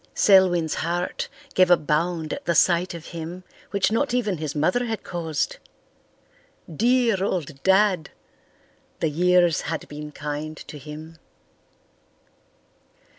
Selwyn's heart gave a bound at the sight of him which not even his mother had caused. Dear old Dad! The years had been kind to him.